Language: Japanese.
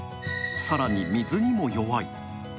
さらに、水にも弱い。